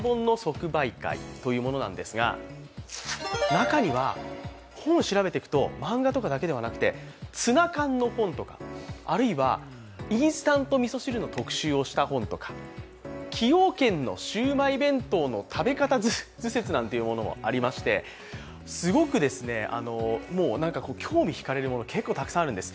中には、本を調べてくと漫画だけじゃなくてツナ缶の本とか、あるいはインスタントみそ汁の特集をした本とか崎陽軒のシウマイ弁当の食べ方図説なんていうものもありましてすごく興味引かれるもの結構たくさんあるんです。